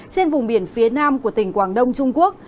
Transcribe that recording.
trên vùng biển phía nam của tỉnh quảng đông trung quốc